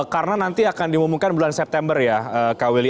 karena nanti akan diumumkan bulan september ya kak willy